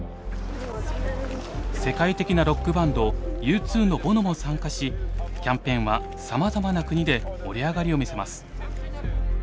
世界的なロックバンドＵ２のボノも参加しキャンペーンはさまざまな国で盛り上がりを見せます。